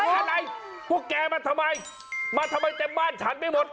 อะไรพวกแกมาทำไมมาทำไมเต็มบ้านฉันไม่หมด